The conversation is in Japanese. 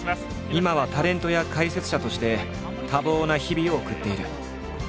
今はタレントや解説者として多忙な日々を送っている。